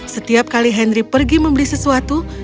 setiap kali henry pergi membeli sesuatu